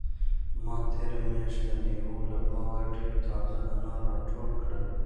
ما تېره میاشت د مېوو له باغه ډېر تازه انار راټول کړل.